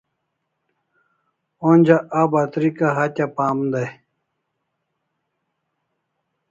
Onja a batrika hatya pam dai